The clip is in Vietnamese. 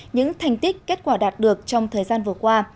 những thành tích kết quả đạt được trong thời gian vừa qua